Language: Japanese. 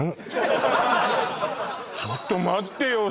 ちょっと待ってよ